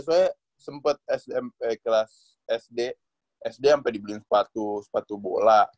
soalnya sempet smp kelas sd sd sampe dibeliin sepatu sepatu bola